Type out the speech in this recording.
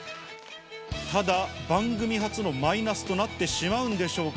ただ、番組初のマイナスとなってしまうんでしょうか？